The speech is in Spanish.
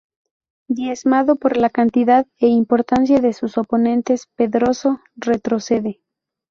Diezmado por la cantidad e importancia de sus oponentes, Pedroso retrocede.